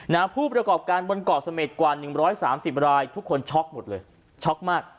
ณผู้ประกอบการบนเกาะสเม็ดกว่า๑๓๐รายทุกคนช็อคหมดเลยช็อคมาก